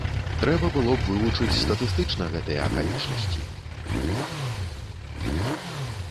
Трэба было б вывучыць статыстычна гэтыя акалічнасці.